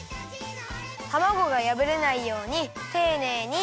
たまごがやぶれないようにていねいに。